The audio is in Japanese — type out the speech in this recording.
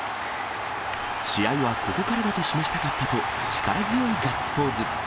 試合はここからだと示したかったと、力強いガッツポーズ。